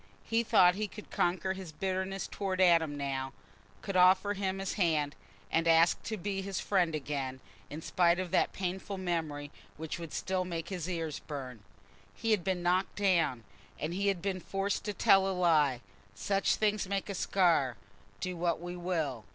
He thought he could conquer his bitterness towards Adam now—could offer him his hand, and ask to be his friend again, in spite of that painful memory which would still make his ears burn. He had been knocked down, and he had been forced to tell a lie: such things make a scar, do what we will.